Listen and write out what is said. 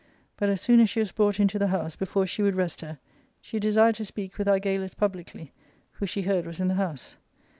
But as soon as she was brought into the house, before she would rest her, she desired to speak with Argalus publicly, who she heard was in the house.